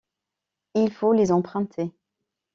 Il faut les emprunter.